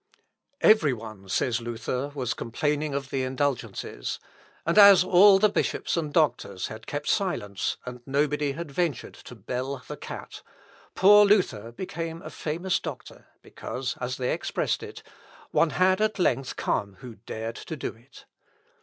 "Every one," says Luther, "was complaining of the indulgences; and as all the bishops and doctors had kept silence, and nobody had ventured to bell the cat, poor Luther became a famous doctor, because, as they expressed it, one had at length come who dared to do it.